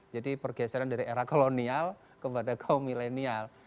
jadi pergeseran dari era kolonial kepada kaum milenial